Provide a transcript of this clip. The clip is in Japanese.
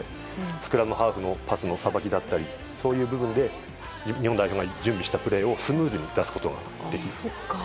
スクラムハーフのパスのさばきだったりそういう部分で日本代表が準備したプレーをスムーズに出すことができたんです。